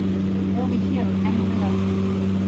They'll be here any minute!